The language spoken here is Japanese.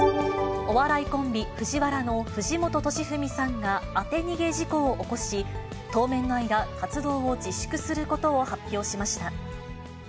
お笑いコンビ、ＦＵＪＩＷＡＲＡの藤本敏史さんが当て逃げ事故を起こし、当面の間、活動を自粛することを発表しました。